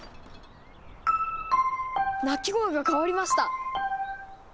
鳴き声が変わりました！